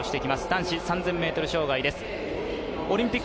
男子３０００ｍ障害です。